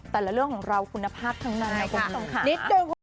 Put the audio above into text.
แต่ละเรื่องของเราคุณภาพทั้งนั้นนะครับ